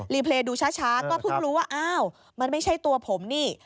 เพลย์ดูช้าก็เพิ่งรู้ว่าอ้าวมันไม่ใช่ตัวผมนี่